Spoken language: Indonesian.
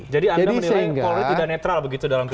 jadi anda menilai yang polri tidak netral begitu dalam pilkada nanti